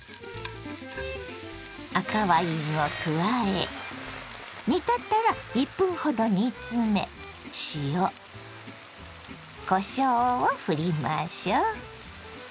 赤ワインを加え煮立ったら１分ほど煮詰め塩こしょうをふりましょう。